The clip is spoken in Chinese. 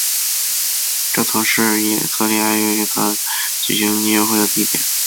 这曾是以色列爱乐乐团举行音乐会的地点。